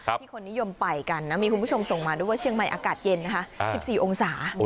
ที่คนนิยมไปกันนะมีคุณผู้ชมส่งมาด้วยว่าเชียงใหม่อากาศเย็นนะคะ๑๔องศา